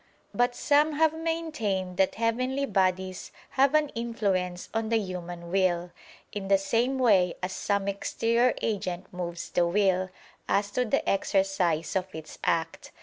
But some have maintained that heavenly bodies have an influence on the human will, in the same way as some exterior agent moves the will, as to the exercise of its act.